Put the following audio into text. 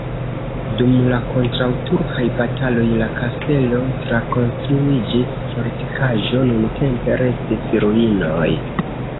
Dum la kontraŭturkaj bataloj la kastelo trakonstruiĝis fortikaĵo, nuntempe restis ruinoj.